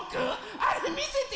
あれみせてよ！